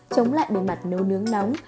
chống lại bề mặt nấu nướng nóng